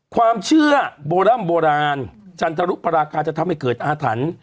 ความเชื่อโบร่ำโบราณจันทรุปราคาจะทำให้เกิดอาถรรพ์